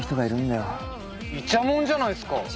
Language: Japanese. いちゃもんじゃないっすか。